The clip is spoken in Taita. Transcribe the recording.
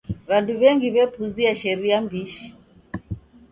W'andu w'engi w'epuzia sharia mbishi.